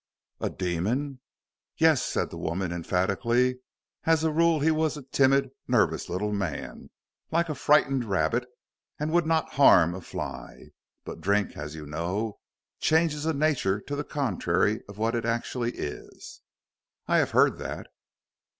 "A demon?" "Yes," said the woman, emphatically, "as a rule he was a timid, nervous, little man, like a frightened rabbit, and would not harm a fly. But drink, as you know, changes a nature to the contrary of what it actually is." "I have heard that."